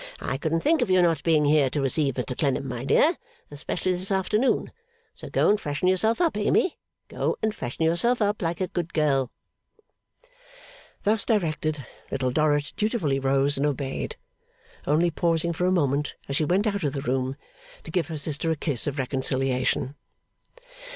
I couldn't think of your not being here to receive Mr Clennam, my dear, especially this afternoon. So go and freshen yourself up, Amy; go and freshen yourself up, like a good girl.' Thus directed, Little Dorrit dutifully rose and obeyed: only pausing for a moment as she went out of the room, to give her sister a kiss of reconciliation.